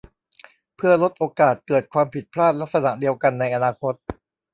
เพื่อลดโอกาสเกิดความผิดพลาดลักษณะเดียวกันในอนาคต